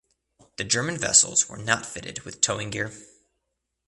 The German vessels were not fitted with towing gear.